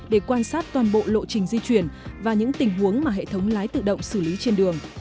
để quan sát toàn bộ lộ trình di chuyển và những tình huống mà hệ thống lái tự động xử lý trên đường